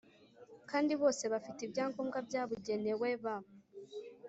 kandi bose bafite ibyangombwa byabugenewe ba